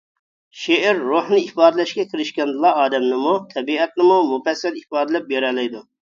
شېئىر روھنى ئىپادىلەشكە كىرىشكەندىلا ئادەمنىمۇ، تەبىئەتنىمۇ مۇپەسسەل ئىپادىلەپ بېرەلەيدۇ.